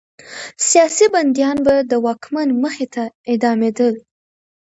سیاسي بندیان به د واکمن مخې ته اعدامېدل.